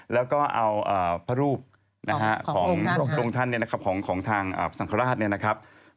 แล้วก็เอาพระรูปของโรงท่านของทางสังภาราช